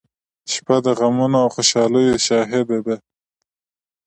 • شپه د غمونو او خوشالیو شاهد ده.